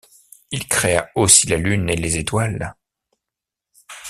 Il créa aussi la lune et les étoiles.